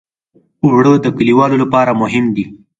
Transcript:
اوړه د کليوالو لپاره مهم دي